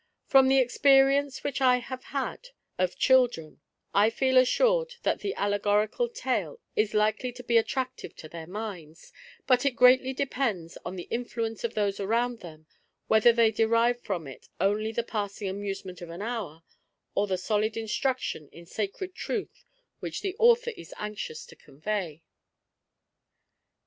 From the experience which I have had of children, I feel assured that an allegorical tale is likely to be attractive to their minds ; but it greatly depends on the influence of those around them whether they derive from it only the passing amusement of an hour, or the solid instruction in sacred truth which the Author is anxious to convey.